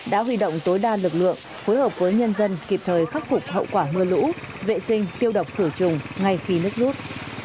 đã huy động tối đa lực lượng phối hợp với nhân dân kịp thời khắc phục hậu quả mưa lũ vệ sinh tiêu độc khử trùng ngay khi nước rút